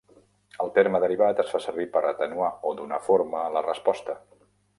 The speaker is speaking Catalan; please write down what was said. El terme derivat es fa servir per atenuar o donar forma a la resposta.